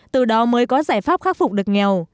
từ đó mới có giải pháp khắc phục được nghèo